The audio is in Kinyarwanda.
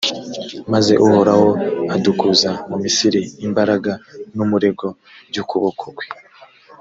maze uhoraho adukuza mu misiri imbaraga n’umurego by’ukuboko kwe;